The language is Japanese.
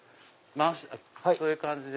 そういう感じで。